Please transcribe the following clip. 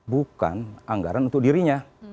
bukan anggaran untuk dirinya